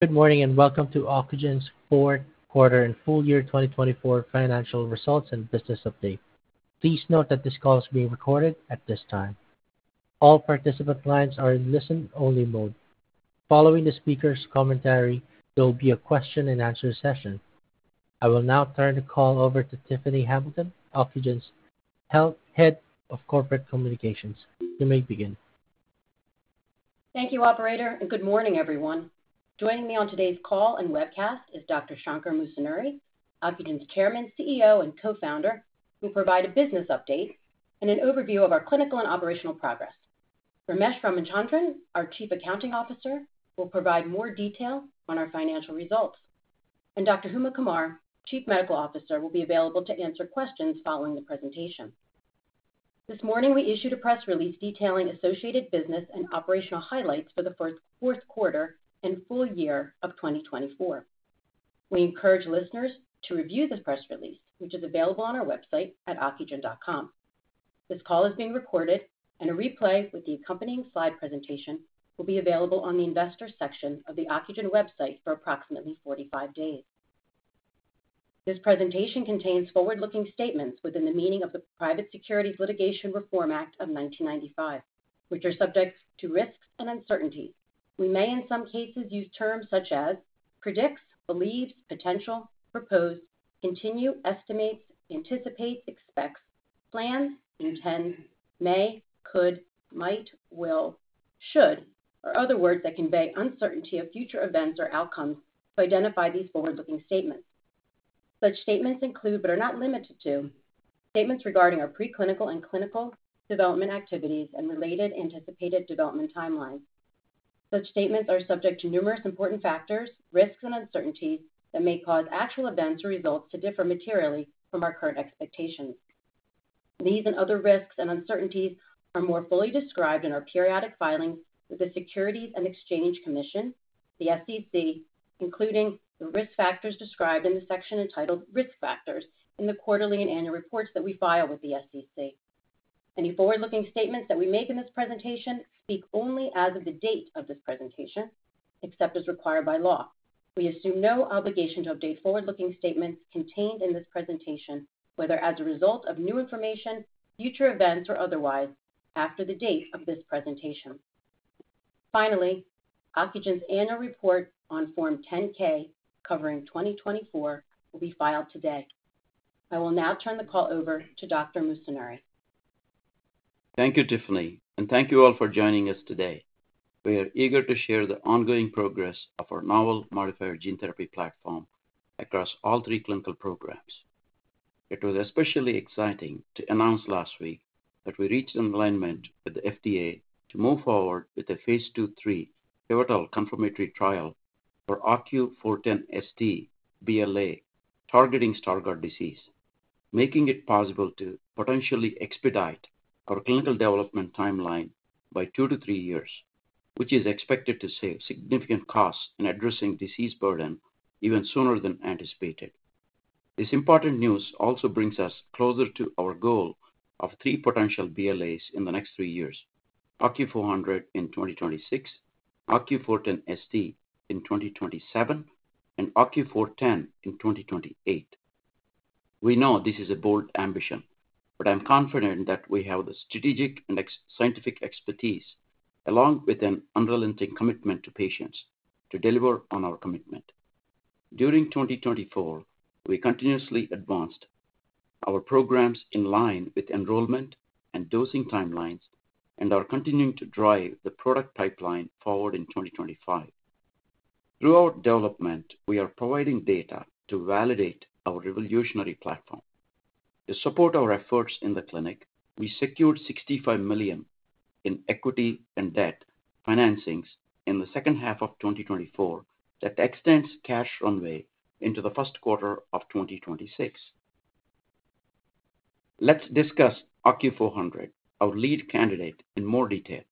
Good morning and welcome to Ocugen's fourth quarter and full year 2024 financial results and business update. Please note that this call is being recorded at this time. All participant lines are in listen-only mode. Following the speaker's commentary, there will be a question-and-answer session. I will now turn the call over to Tiffany Hamilton, Ocugen's Head of Corporate Communications. You may begin. Thank you, Operator, and good morning, everyone. Joining me on today's call and webcast is Dr. Shankar Musunuri, Ocugen's Chairman, CEO, and Co-founder, who will provide a business update and an overview of our clinical and operational progress. Ramesh Ramachandran, our Chief Accounting Officer, will provide more detail on our financial results. Dr. Huma Qamar, Chief Medical Officer, will be available to answer questions following the presentation. This morning, we issued a press release detailing associated business and operational highlights for the fourth quarter and full year of 2024. We encourage listeners to review this press release, which is available on our website at ocugen.com. This call is being recorded, and a replay with the accompanying slide presentation will be available on the Investor section of the Ocugen website for approximately 45 days. This presentation contains forward-looking statements within the meaning of the Private Securities Litigation Reform Act of 1995, which are subject to risks and uncertainties. We may, in some cases, use terms such as predicts, believes, potential, proposed, continue, estimates, anticipates, expects, plans, intend, may, could, might, will, should, or other words that convey uncertainty of future events or outcomes to identify these forward-looking statements. Such statements include, but are not limited to, statements regarding our preclinical and clinical development activities and related anticipated development timelines. Such statements are subject to numerous important factors, risks, and uncertainties that may cause actual events or results to differ materially from our current expectations. These and other risks and uncertainties are more fully described in our periodic filings with the Securities and Exchange Commission, the SEC, including the risk factors described in the section entitled Risk Factors in the quarterly and annual reports that we file with the SEC. Any forward-looking statements that we make in this presentation speak only as of the date of this presentation, except as required by law. We assume no obligation to update forward-looking statements contained in this presentation, whether as a result of new information, future events, or otherwise, after the date of this presentation. Finally, Ocugen's annual report on Form 10-K covering 2024 will be filed today. I will now turn the call over to Dr. Musunuri. Thank you, Tiffany, and thank you all for joining us today. We are eager to share the ongoing progress of our novel modifier gene therapy platform across all three clinical programs. It was especially exciting to announce last week that we reached an alignment with the FDA to move forward with the phase II/3 pivotal confirmatory trial for OCU410ST BLA targeting Stargardt disease, making it possible to potentially expedite our clinical development timeline by two to three years, which is expected to save significant costs in addressing disease burden even sooner than anticipated. This important news also brings us closer to our goal of three potential BLAs in the next three years: OCU400 in 2026, OCU410ST in 2027, and OCU410 in 2028. We know this is a bold ambition, but I'm confident that we have the strategic and scientific expertise, along with an unrelenting commitment to patients, to deliver on our commitment. During 2024, we continuously advanced our programs in line with enrollment and dosing timelines, and are continuing to drive the product pipeline forward in 2025. Throughout development, we are providing data to validate our revolutionary platform. To support our efforts in the clinic, we secured $65 million in equity and debt financings in the second half of 2024 that extends cash runway into the first quarter of 2026. Let's discuss OCU400, our lead candidate, in more detail.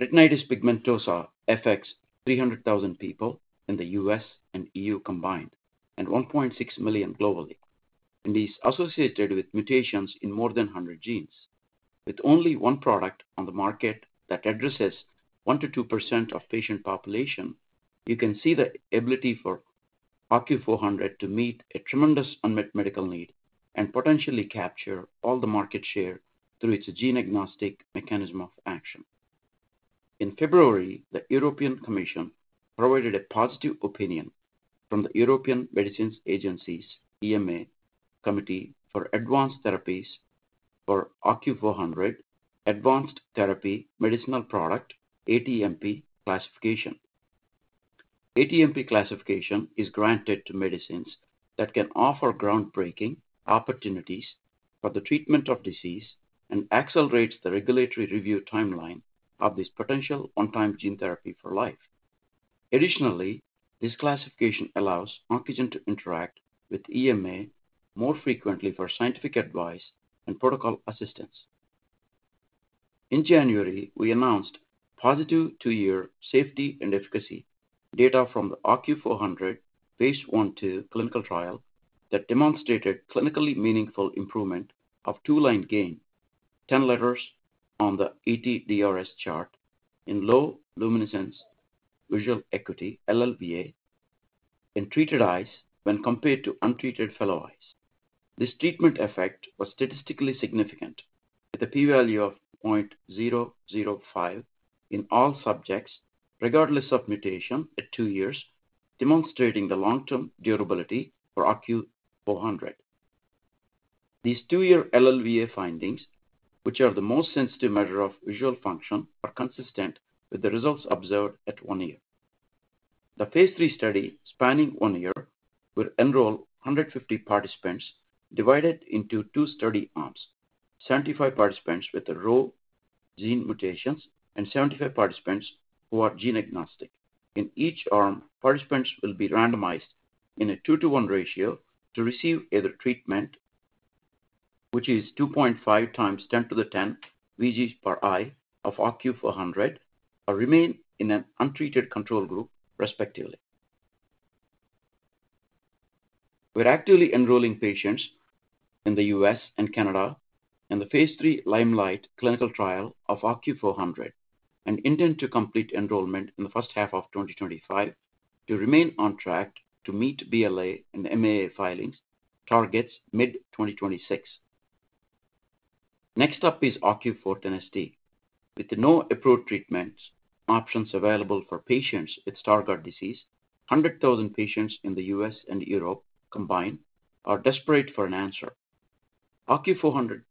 Retinitis pigmentosa affects 300,000 people in the U.S. and EU combined and 1.6 million globally. These are associated with mutations in more than 100 genes. With only one product on the market that addresses 1%-2% of patient population, you can see the ability for OCU400 to meet a tremendous unmet medical need and potentially capture all the market share through its gene-agnostic mechanism of action. In February, the European Commission provided a positive opinion from the European Medicines Agency's EMA Committee for Advanced Therapies for OCU400 Advanced Therapy Medicinal Product (ATMP) classification. ATMP classification is granted to medicines that can offer groundbreaking opportunities for the treatment of disease and accelerates the regulatory review timeline of this potential on-time gene therapy for life. Additionally, this classification allows Ocugen to interact with EMA more frequently for scientific advice and protocol assistance. In January, we announced positive two-year safety and efficacy data from the OCU400 phase I/2 clinical trial that demonstrated clinically meaningful improvement of two-line gain, 10 letters on the ETDRS chart in low luminance visual acuity (LLVA) in treated eyes when compared to untreated fellow eyes. This treatment effect was statistically significant, with a p-value of 0.005 in all subjects, regardless of mutation, at two years, demonstrating the long-term durability for OCU400. These two-year LLVA findings, which are the most sensitive measure of visual function, are consistent with the results observed at one year. The phase III study, spanning one year, will enroll 150 participants divided into two study arms: 75 participants with the RHO gene mutations and 75 participants who are gene-agnostic. In each arm, participants will be randomized in a two-to-one ratio to receive either treatment, which is 2.5 times 10 to the 10 VG per eye of OCU400, or remain in an untreated control group, respectively. We're actively enrolling patients in the US and Canada in the phase III liMeliGhT clinical trial of OCU400 and intend to complete enrollment in the first half of 2025 to remain on track to meet BLA and MAA filings targets mid-2026. Next up is OCU410ST. With no approved treatment options available for patients with Stargardt disease, 100,000 patients in the US and Europe combined are desperate for an answer. OCU410ST,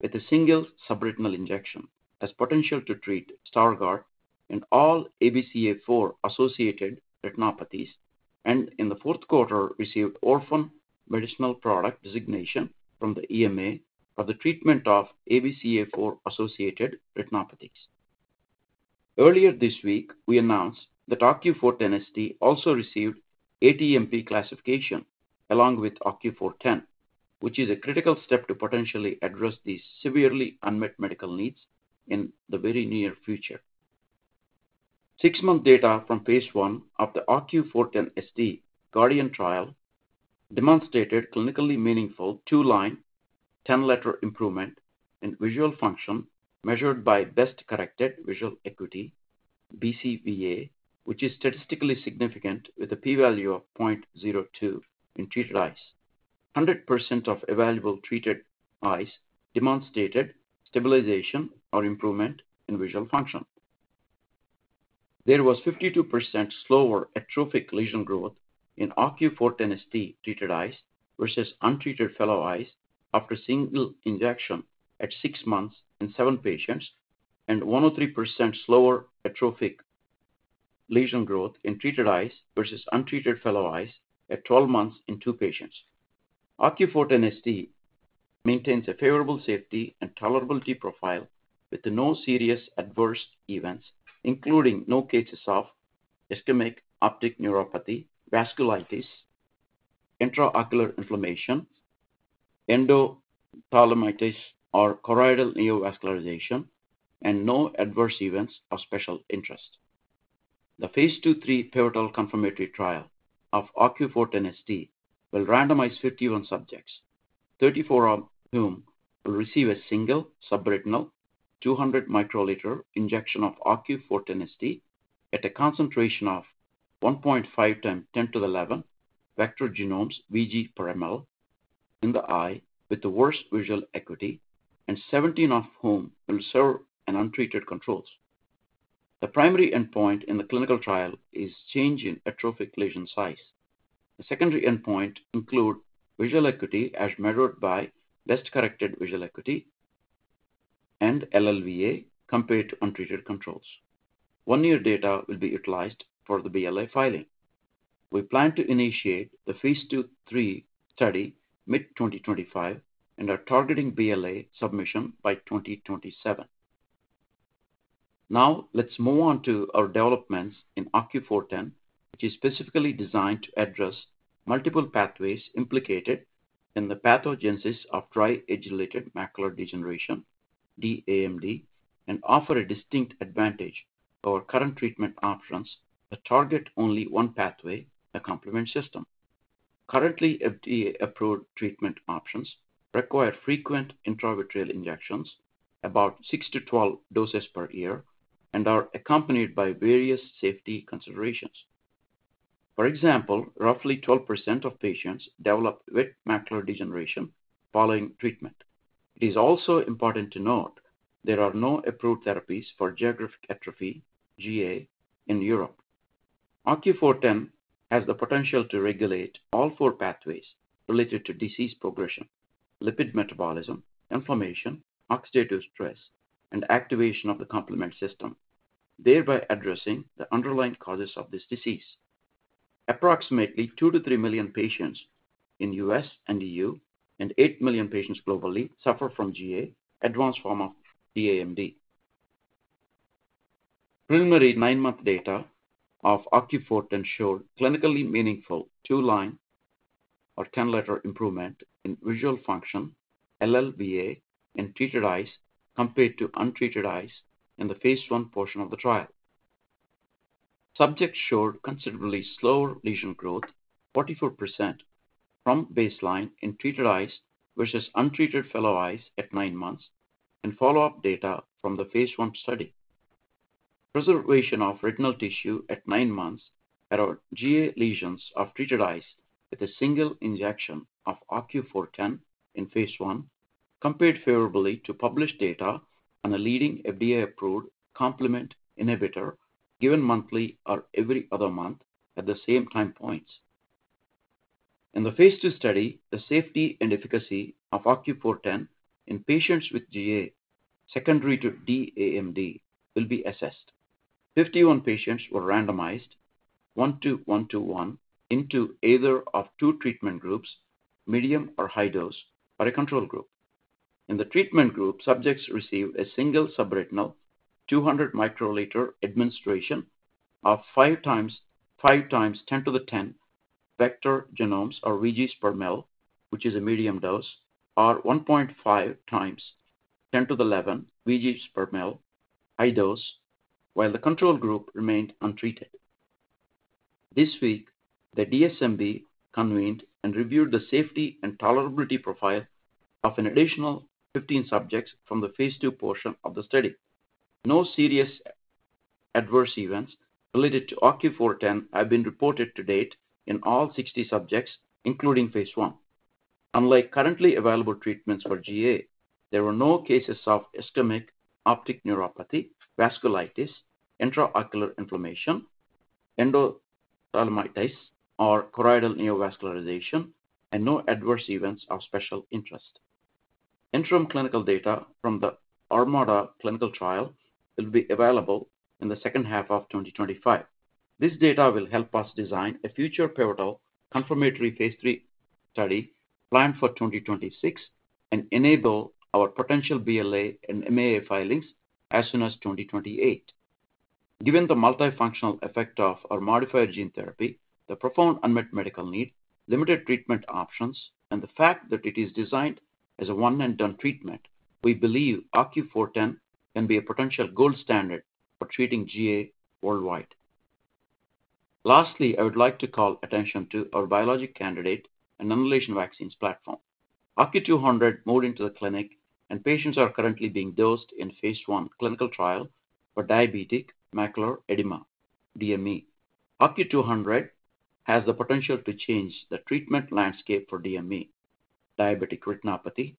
with a single subretinal injection, has potential to treat Stargardt in all ABCA4-associated retinopathies and in the fourth quarter received Orphan Medicinal Product designation from the EMA for the treatment of ABCA4-associated retinopathies. Earlier this week, we announced that OCU410ST also received ATMP classification along with OCU410, which is a critical step to potentially address these severely unmet medical needs in the very near future. Six-month data from phase I of the OCU410ST GARDian trial demonstrated clinically meaningful two-line 10-letter improvement in visual function measured by best-corrected visual acuity (BCVA), which is statistically significant with a p-value of 0.02 in treated eyes. 100% of available treated eyes demonstrated stabilization or improvement in visual function. There was 52% slower atrophic lesion growth in OCU410ST treated eyes versus untreated fellow eyes after single injection at six months in seven patients, and 103% slower atrophic lesion growth in treated eyes versus untreated fellow eyes at 12 months in two patients. OCU410ST maintains a favorable safety and tolerability profile with no serious adverse events, including no cases of ischemic optic neuropathy, vasculitis, intraocular inflammation, endophthalmitis, or choroidal neovascularization, and no adverse events of special interest. The phase II/3 pivotal confirmatory trial of OCU410ST will randomize 51 subjects, 34 of whom will receive a single subretinal 200 microliter injection of OCU410ST at a concentration of 1.5 times 10 to the 11 vector genomes VG per ml in the eye with the worst visual acuity, and 17 of whom will serve in untreated controls. The primary endpoint in the clinical trial is change in atrophic lesion size. The secondary endpoint includes visual acuity as measured by best-corrected visual acuity and LLVA compared to untreated controls. One-year data will be utilized for the BLA filing. We plan to initiate the phase II/3 study mid-2025 and are targeting BLA submission by 2027. Now, let's move on to our developments in OCU410, which is specifically designed to address multiple pathways implicated in the pathogenesis of dry age-related macular degeneration (dAMD) and offer a distinct advantage to our current treatment options that target only one pathway, the complement system. Currently, FDA-approved treatment options require frequent intravitreal injections, about 6-12 doses per year, and are accompanied by various safety considerations. For example, roughly 12% of patients develop wet macular degeneration following treatment. It is also important to note there are no approved therapies for geographic atrophy (GA) in Europe. OCU410 has the potential to regulate all four pathways related to disease progression, lipid metabolism, inflammation, oxidative stress, and activation of the complement system, thereby addressing the underlying causes of this disease. Approximately 2-3 million patients in the US and EU, and 8 million patients globally, suffer from GA, advanced form of dAMD. Preliminary nine-month data of OCU410 showed clinically meaningful two-line or 10-letter improvement in visual function, LLVA, in treated eyes compared to untreated eyes in the phase I portion of the trial. Subjects showed considerably slower lesion growth, 44%, from baseline in treated eyes versus untreated fellow eyes at nine months, and follow-up data from the phase I study. Preservation of retinal tissue at nine months at our GA lesions of treated eyes with a single injection of OCU410 in phase I compared favorably to published data on a leading FDA-approved complement inhibitor given monthly or every other month at the same time points. In the phase II study, the safety and efficacy of OCU410 in patients with GA secondary to dAMD will be assessed. Fifty-one patients were randomized 1 to 1 to 1 into either of two treatment groups, medium or high dose, or a control group. In the treatment group, subjects received a single subretinal 200 microliter administration of 5 times 5 times 10 to the 10 vector genomes or VGs per ml, which is a medium dose, or 1.5 times 10 to the 11 VGs per ml high dose, while the control group remained untreated. This week, the DSMB convened and reviewed the safety and tolerability profile of an additional 15 subjects from the phase II portion of the study. No serious adverse events related to OCU410 have been reported to date in all 60 subjects, including phase I. Unlike currently available treatments for GA, there were no cases of ischemic optic neuropathy, vasculitis, intraocular inflammation, endophthalmitis, or choroidal neovascularization, and no adverse events of special interest. Interim clinical data from the ArMaDa clinical trial will be available in the second half of 2025. This data will help us design a future pivotal confirmatory phase III study planned for 2026 and enable our potential BLA and MAA filings as soon as 2028. Given the multifunctional effect of our modified gene therapy, the profound unmet medical need, limited treatment options, and the fact that it is designed as a one-and-done treatment, we believe OCU410 can be a potential gold standard for treating GA worldwide. Lastly, I would like to call attention to our biologic candidate, an inhalation vaccines platform. OCU200 moved into the clinic, and patients are currently being dosed in phase I clinical trial for diabetic macular edema (DME). OCU200 has the potential to change the treatment landscape for DME, diabetic retinopathy,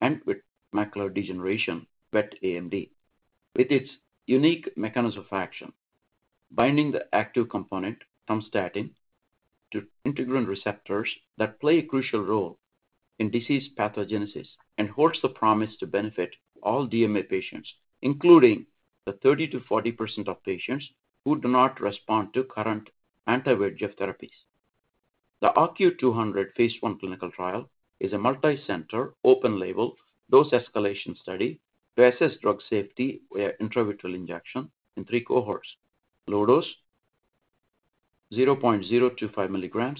and with macular degeneration (wet AMD) with its unique mechanism of action, binding the active component from statin to integrin receptors that play a crucial role in disease pathogenesis and holds the promise to benefit all DME patients, including the 30%-40% of patients who do not respond to current anti-VEGF therapies. The OCU200 phase I clinical trial is a multi-center open-label dose escalation study to assess drug safety via intravitreal injection in three cohorts: low dose 0.025 mg,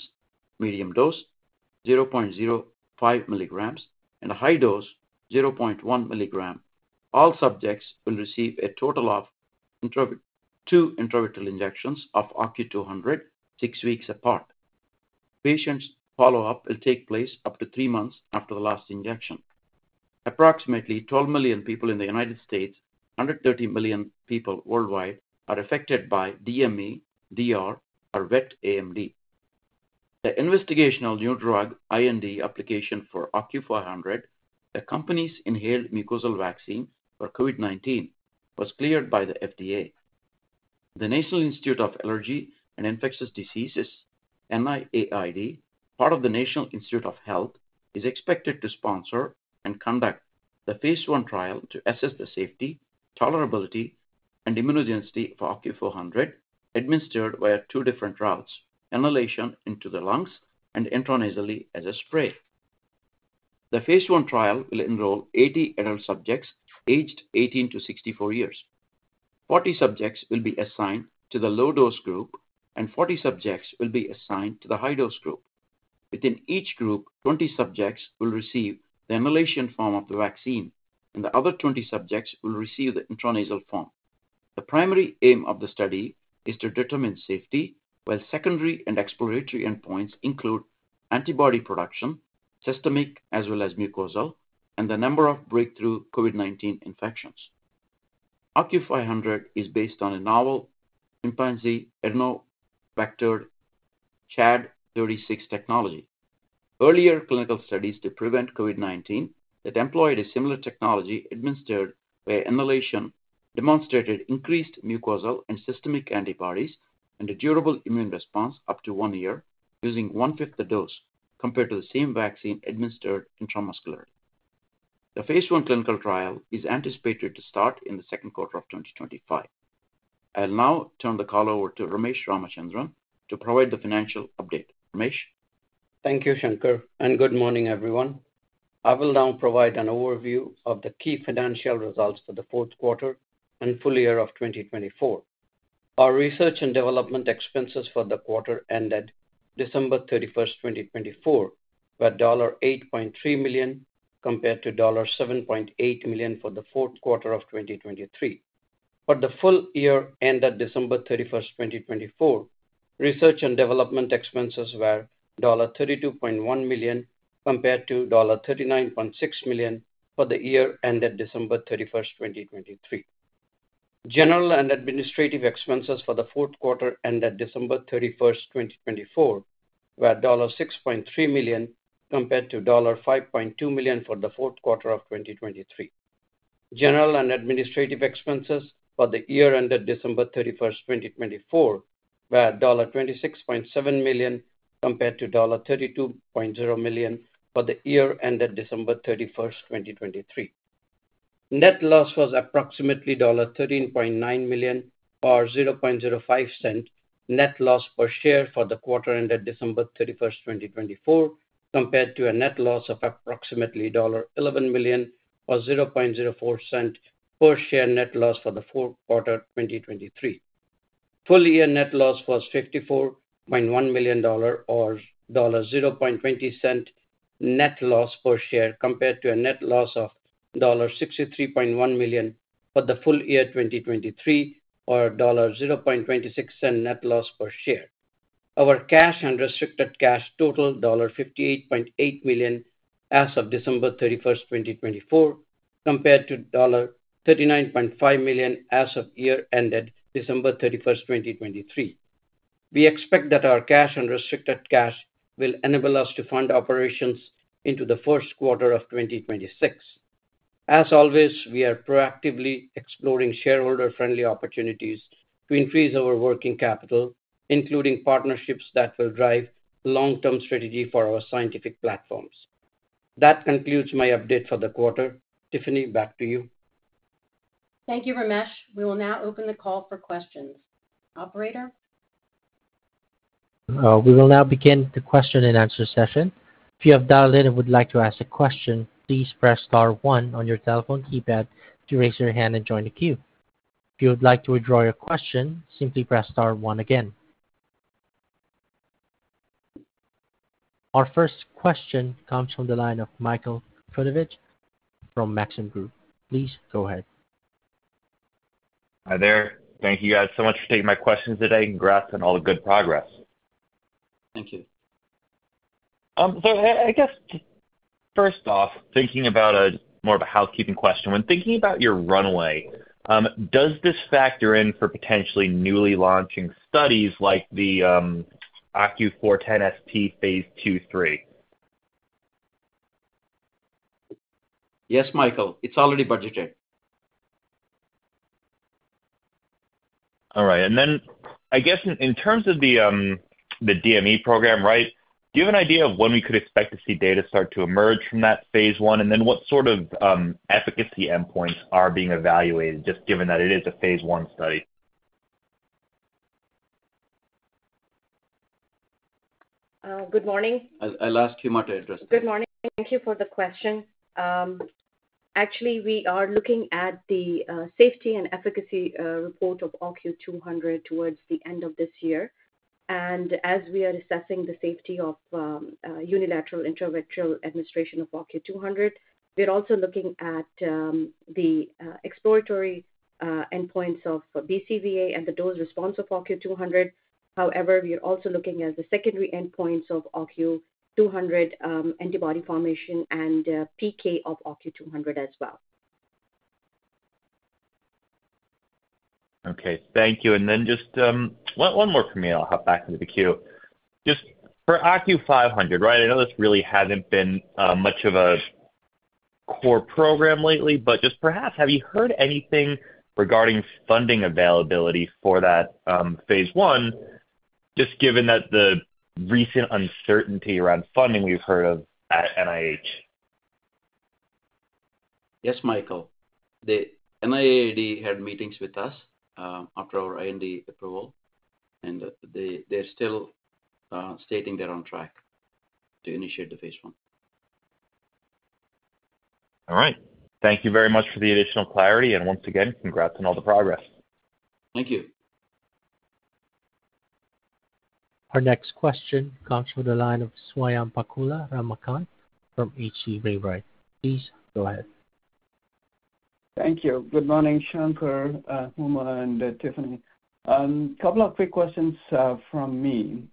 medium dose 0.05 mg, and high dose 0.1 mg. All subjects will receive a total of two intravitreal injections of OCU200 six weeks apart. Patients' follow-up will take place up to three months after the last injection. Approximately 12 million people in the US, 130 million people worldwide are affected by DME, DR, or wet AMD. The investigational new drug IND application for OCU400, the company's inhaled mucosal vaccine for COVID-19, was cleared by the FDA. The National Institute of Allergy and Infectious Diseases (NIAID), part of the National Institutes of Health, is expected to sponsor and conduct the phase I trial to assess the safety, tolerability, and immunogenicity of OCU400 administered via two different routes: inhalation into the lungs and intranasally as a spray. The phase I trial will enroll 80 adult subjects aged 18 to 64 years. Forty subjects will be assigned to the low-dose group, and 40 subjects will be assigned to the high-dose group. Within each group, 20 subjects will receive the inhalation form of the vaccine, and the other 20 subjects will receive the intranasal form. The primary aim of the study is to determine safety, while secondary and exploratory endpoints include antibody production, systemic as well as mucosal, and the number of breakthrough COVID-19 infections. OCU500 is based on a novel implantacy adenovector ChAd36 technology. Earlier clinical studies to prevent COVID-19 that employed a similar technology administered via inhalation demonstrated increased mucosal and systemic antibodies and a durable immune response up to one year using one-fifth the dose compared to the same vaccine administered intramuscularly. The phase I clinical trial is anticipated to start in the second quarter of 2025. I'll now turn the call over to Ramesh Ramachandran to provide the financial update. Ramesh. Thank you, Shankar, and good morning, everyone. I will now provide an overview of the key financial results for the fourth quarter and full year of 2024. Our research and development expenses for the quarter ended December 31, 2024, were $8.3 million compared to $7.8 million for the fourth quarter of 2023. For the full year ended December 31, 2024, research and development expenses were $32.1 million compared to $39.6 million for the year ended December 31, 2023. General and administrative expenses for the fourth quarter ended December 31, 2024, were $6.3 million compared to $5.2 million for the fourth quarter of 2023. General and administrative expenses for the year ended December 31, 2024, were $26.7 million compared to $32.0 million for the year ended December 31, 2023. Net loss was approximately $13.9 million or $0.05 net loss per share for the quarter ended December 31, 2024, compared to a net loss of approximately $11 million or $0.04 per share net loss for the fourth quarter of 2023. Full year net loss was $54.1 million or $0.20 net loss per share compared to a net loss of $63.1 million for the full year 2023 or $0.26 net loss per share. Our cash and restricted cash totaled $58.8 million as of December 31, 2024, compared to $39.5 million as of year ended December 31, 2023. We expect that our cash and restricted cash will enable us to fund operations into the first quarter of 2026. As always, we are proactively exploring shareholder-friendly opportunities to increase our working capital, including partnerships that will drive a long-term strategy for our scientific platforms. That concludes my update for the quarter. Tiffany, back to you. Thank you, Ramesh. We will now open the call for questions. Operator. We will now begin the question and answer session. If you have dialed in and would like to ask a question, please press star one on your telephone keypad to raise your hand and join the queue. If you would like to withdraw your question, simply press star one again. Our first question comes from the line of Michael Rabinowitzfrom Maxim Group. Please go ahead. Hi there. Thank you guys so much for taking my questions today. Congrats on all the good progress. Thank you. I guess, first off, thinking about more of a housekeeping question, when thinking about your runway, does this factor in for potentially newly launching studies like the OCU410ST phase II/3? Yes, Michael. It's already budgeted. All right. I guess in terms of the DME program, right, do you have an idea of when we could expect to see data start to emerge from that phase I? What sort of efficacy endpoints are being evaluated, just given that it is a phase I study? Good morning. I'll ask you my address. Good morning. Thank you for the question. Actually, we are looking at the safety and efficacy report of OCU200 towards the end of this year. As we are assessing the safety of unilateral intravitreal administration of OCU200, we are also looking at the exploratory endpoints of BCVA and the dose response of OCU200. However, we are also looking at the secondary endpoints of OCU200 antibody formation and PK of OCU200 as well. Okay. Thank you. Just one more from me. I'll hop back into the queue. Just for OCU500, right, I know this really hasn't been much of a core program lately, but just perhaps, have you heard anything regarding funding availability for that phase I, just given that the recent uncertainty around funding we've heard of at NIH? Yes, Michael. The NIAID had meetings with us after our IND approval, and they're still stating they're on track to initiate the phase I. All right. Thank you very much for the additional clarity. Once again, congrats on all the progress. Thank you. Our next question comes from the line of Swayampakula Ramakanth from H.C. Wainwright. Please go ahead. Thank you. Good morning, Shankar, Huma, and Tiffany. A couple of quick questions from me.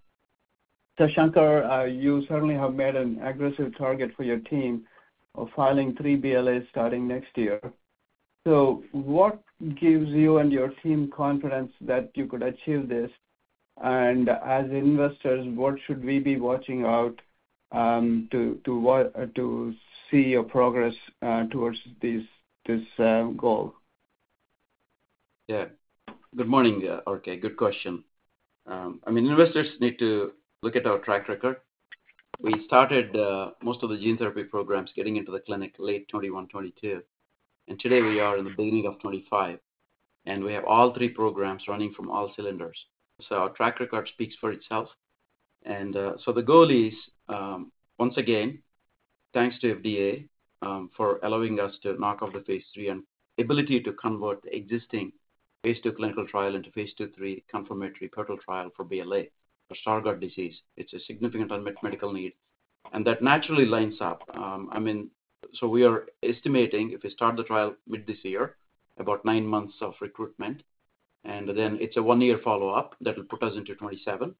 Shankar, you certainly have made an aggressive target for your team of filing three BLAs starting next year. What gives you and your team confidence that you could achieve this? As investors, what should we be watching out to see your progress towards this goal? Yeah. Good morning, Orkay. Good question. I mean, investors need to look at our track record. We started most of the gene therapy programs getting into the clinic late 2021, 2022. Today, we are in the beginning of 2025. We have all three programs running from all cylinders. Our track record speaks for itself. The goal is, once again, thanks to FDA for allowing us to knock off the phase III and ability to convert the existing phase II clinical trial into phase II/3 confirmatory pivotal trial for BLA for Stargardt disease. It's a significant unmet medical need. That naturally lines up. I mean, so we are estimating if we start the trial mid this year, about nine months of recruitment. Then it's a one-year follow-up that will put us into 2027.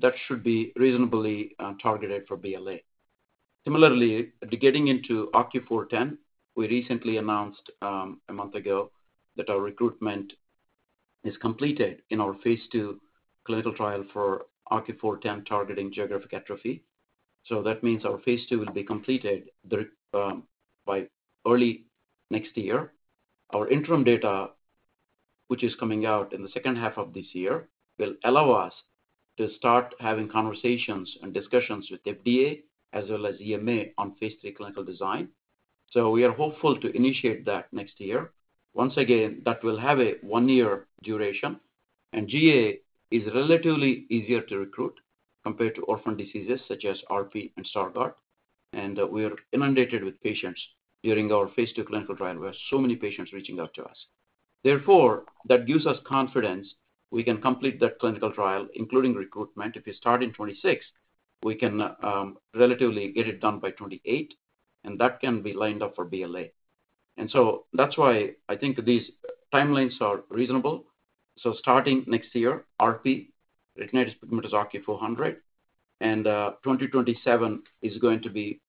That should be reasonably targeted for BLA. Similarly, getting into OCU410, we recently announced a month ago that our recruitment is completed in our phase II clinical trial for OCU410 targeting geographic atrophy. That means our phase II will be completed by early next year. Our interim data, which is coming out in the second half of this year, will allow us to start having conversations and discussions with FDA as well as EMA on phase III clinical design. We are hopeful to initiate that next year. Once again, that will have a one-year duration. GA is relatively easier to recruit compared to orphan diseases such as RP and Stargardt. We are inundated with patients during our phase II clinical trial. We have so many patients reaching out to us. Therefore, that gives us confidence we can complete that clinical trial, including recruitment. If we start in 2026, we can relatively get it done by 2028, and that can be lined up for BLA. That is why I think these timelines are reasonable. Starting next year, RP, retinitis pigmentosa OCU400, and 2027 is going to be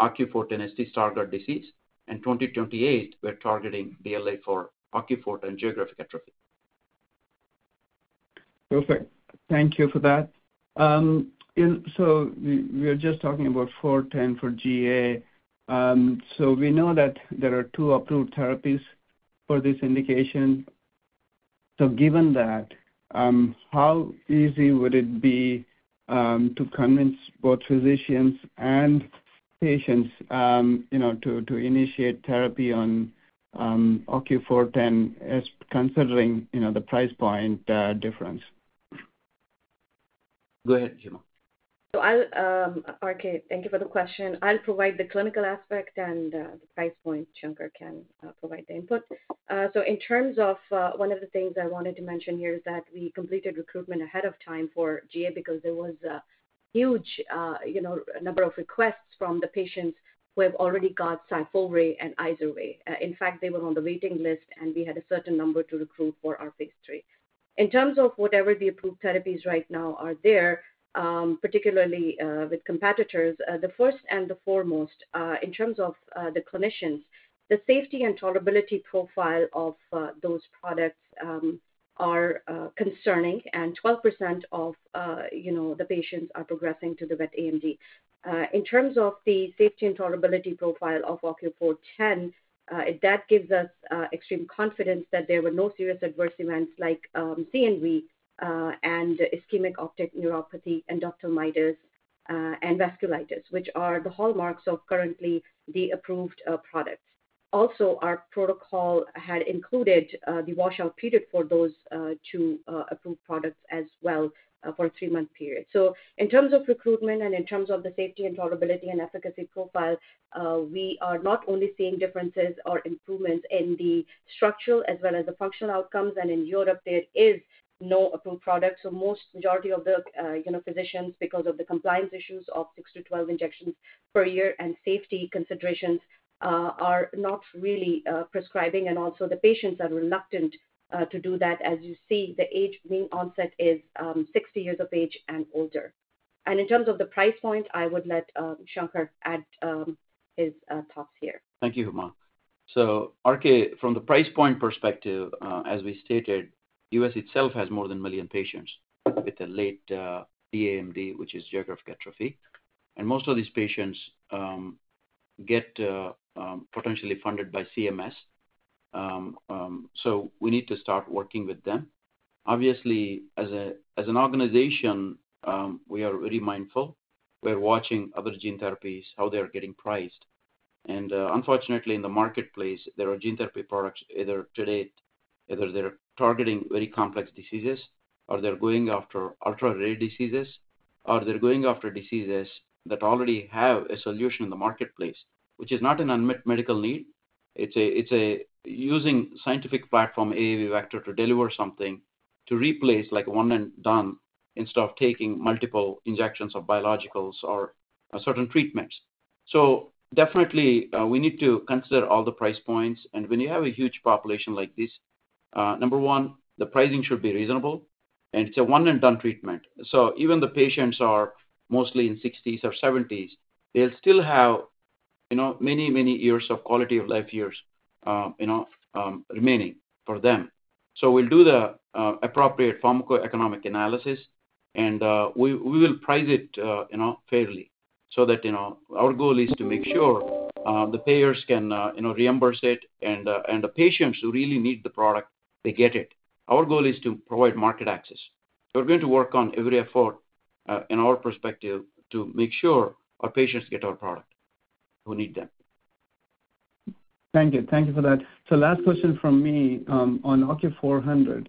OCU410ST Stargardt disease. In 2028, we are targeting BLA for OCU410 geographic atrophy. Perfect. Thank you for that. We were just talking about 410 for GA. We know that there are two approved therapies for this indication. Given that, how easy would it be to convince both physicians and patients to initiate therapy on OCU410 considering the price point difference? Go ahead, Huma. Thank you for the question. I'll provide the clinical aspect and the price point. Shankar can provide the input. In terms of one of the things I wanted to mention here is that we completed recruitment ahead of time for GA because there was a huge number of requests from the patients who have already got Syfovre and Izervay. In fact, they were on the waiting list, and we had a certain number to recruit for our phase III. In terms of whatever the approved therapies right now are there, particularly with competitors, the first and the foremost, in terms of the clinicians, the safety and tolerability profile of those products are concerning. Twelve percent of the patients are progressing to the wet AMD. In terms of the safety and tolerability profile of OCU410, that gives us extreme confidence that there were no serious adverse events like CNV and ischemic optic neuropathy and ductal mites and vasculitis, which are the hallmarks of currently the approved products. Also, our protocol had included the washout period for those two approved products as well for a three-month period. In terms of recruitment and in terms of the safety and tolerability and efficacy profile, we are not only seeing differences or improvements in the structural as well as the functional outcomes. In Europe, there is no approved product. Most majority of the physicians, because of the compliance issues of 6-12 injections per year and safety considerations, are not really prescribing. Also, the patients are reluctant to do that. As you see, the age being onset is 60 years of age and older. In terms of the price point, I would let Shankar add his thoughts here. Thank you, Huma. Orkay, from the price point perspective, as we stated, the US itself has more than 1 million patients with late dAMD, which is geographic atrophy. Most of these patients get potentially funded by CMS. We need to start working with them. Obviously, as an organization, we are very mindful. We're watching other gene therapies, how they are getting priced. Unfortunately, in the marketplace, there are gene therapy products either today, either they're targeting very complex diseases, or they're going after ultra-rare diseases, or they're going after diseases that already have a solution in the marketplace, which is not an unmet medical need. It's using scientific platform AAV vector to deliver something to replace like one and done instead of taking multiple injections of biologicals or certain treatments. Definitely, we need to consider all the price points. When you have a huge population like this, number one, the pricing should be reasonable. It is a one-and-done treatment. Even if the patients are mostly in their 60s or 70s, they'll still have many, many years of quality of life years remaining for them. We will do the appropriate pharmacoeconomic analysis, and we will price it fairly so that our goal is to make sure the payers can reimburse it. The patients who really need the product, they get it. Our goal is to provide market access. We're going to work on every effort in our perspective to make sure our patients get our product who need them. Thank you. Thank you for that. Last question from me on OCU400.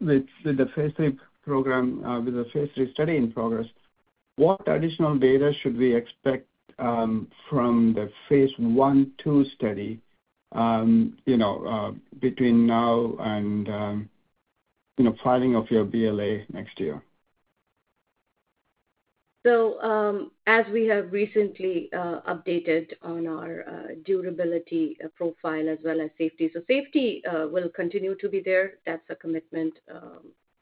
With the phase III program, with the phase III study in progress, what additional data should we expect from the phase I/2 study between now and filing of your BLA next year? As we have recently updated on our durability profile as well as safety. Safety will continue to be there. That is a commitment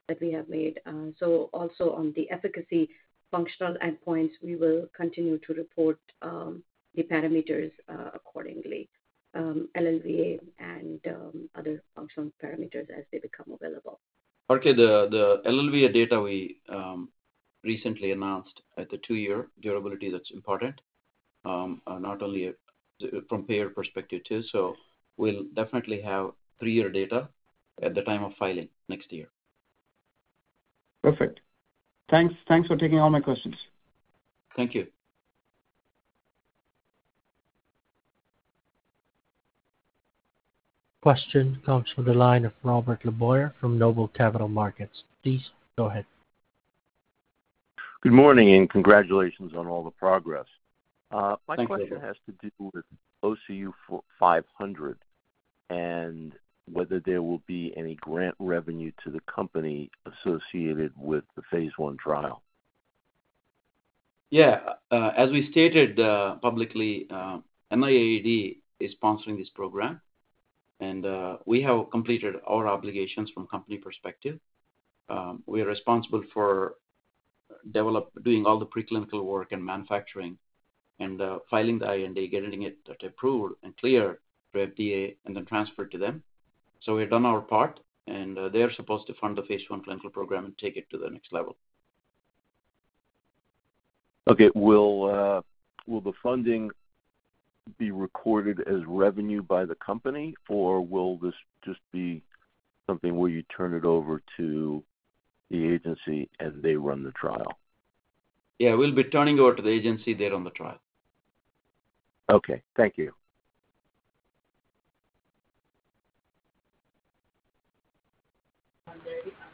that we have made. Also on the efficacy functional endpoints, we will continue to report the parameters accordingly, LLVA and other functional parameters as they become available. The LLVA data we recently announced at the two-year durability, that is important, not only from payer perspective too. We will definitely have three-year data at the time of filing next year. Perfect. Thanks. Thanks for taking all my questions. Thank you. Question comes from the line of Robert Laboyer from Noble Capital Markets. Please go ahead. Good morning and congratulations on all the progress. My question has to do with OCU500 and whether there will be any grant revenue to the company associated with the phase I trial. Yeah. As we stated publicly, NIAID is sponsoring this program. We have completed our obligations from company perspective. We are responsible for doing all the preclinical work and manufacturing and filing the IND, getting it approved and cleared to FDA, and then transferred to them. We have done our part. They are supposed to fund the phase I clinical program and take it to the next level. Okay. Will the funding be recorded as revenue by the company, or will this just be something where you turn it over to the agency and they run the trial? Yeah. We will be turning over to the agency they run the trial. Okay. Thank you.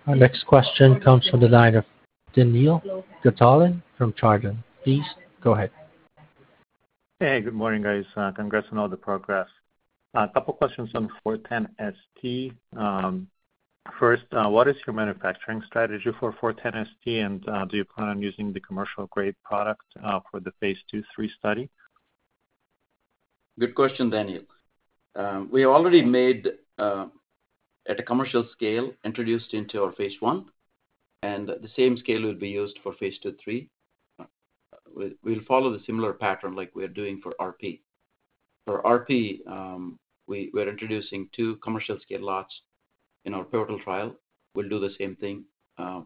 Our next question comes from the line of Daniil Gataulin from Chardan. Please go ahead. Hey, good morning, guys. Congrats on all the progress. A couple of questions on 410ST. First, what is your manufacturing strategy for 410ST, and do you plan on using the commercial-grade product for the phase II/3 study? Good question, Daniel. We already made, at a commercial scale, introduced into our phase I. And the same scale will be used for phase II/3. We'll follow the similar pattern like we're doing for RP. For RP, we're introducing two commercial-scale lots in our pivotal trial. We'll do the same thing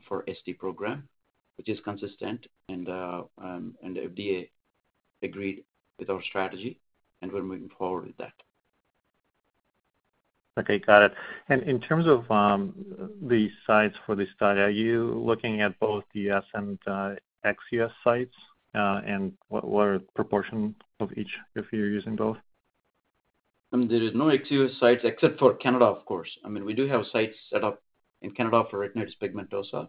for ST program, which is consistent. FDA agreed with our strategy, and we're moving forward with that. Okay. Got it. In terms of the sites for this study, are you looking at both the US and ex-US sites, and what are the proportions of each if you're using both? There are no ex-US sites except for Canada, of course. I mean, we do have sites set up in Canada for retinitis pigmentosa.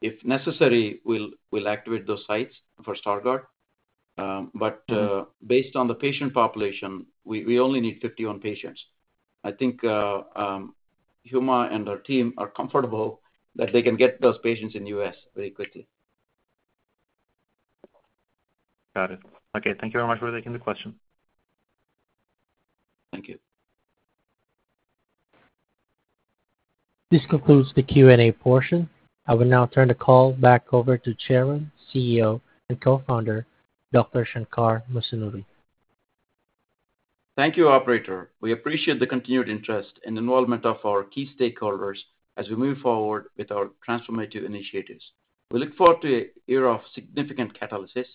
If necessary, we'll activate those sites for Stargardt. Based on the patient population, we only need 51 patients. I think Huma and her team are comfortable that they can get those patients in the US very quickly. Got it. Okay. Thank you very much for taking the question. Thank you. This concludes the Q&A portion. I will now turn the call back over to Chairman, CEO, and Co-founder, Dr. Shankar Musunuri. Thank you, Operator. We appreciate the continued interest and involvement of our key stakeholders as we move forward with our transformative initiatives. We look forward to a year of significant catalysis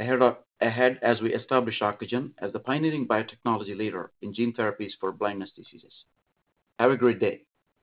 ahead as we establish Ocugen as the pioneering biotechnology leader in gene therapies for blindness diseases. Have a great day.